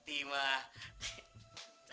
dengan pak fethi mah